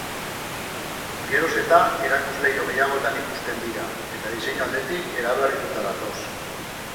Geroz eta erakusleiho gehiagotan ikusten dira eta diseinu aldetik eraberrituta datoz.